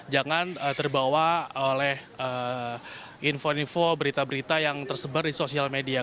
jangan terbawa oleh info info berita berita yang tersebar di sosial media